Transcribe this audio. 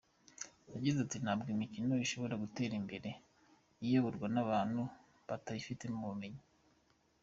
Yagize ati “Ntabwo imikino ishobora gutera imbere iyoborwa n’abantu batayifiteho ubumenyi.